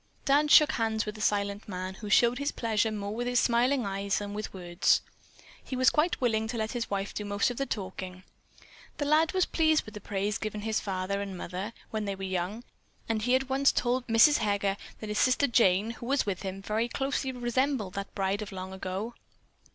Dan shook hands with the silent man, who showed his pleasure more with his smiling eyes than with words. He was quite willing to let his wife do most of the talking. The lad was pleased with the praise given his father and mother, when they were young, and he at once told Mrs. Heger that his sister Jane, who was with him, very closely resembled that bride of long ago.